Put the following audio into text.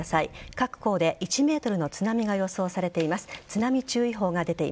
各港で１ｍの津波が予想されています。